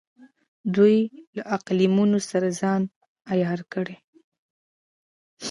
دوی له اقلیمونو سره ځان عیار کړ.